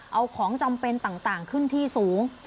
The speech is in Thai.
เอาของจำเป็นต่างขึ้นที่สูง